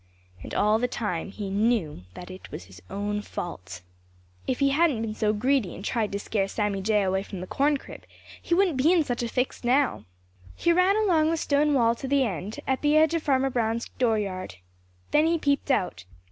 And all the time he knew that it was all his own fault. If he hadn't been so greedy and tried to scare Sammy Jay away from the corn crib, he wouldn't be in such a fix now. He ran along the stone wall to the end at the edge of Farmer Brown's dooryard. Then he peeped out.